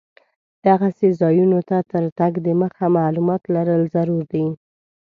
دغسې ځایونو ته تر تګ دمخه معلومات لرل ضرور دي.